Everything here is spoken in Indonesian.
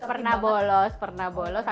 pernah bolos pernah bolos